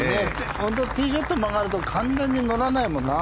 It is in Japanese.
本当にティーショットが曲がると完全に乗らないもんな。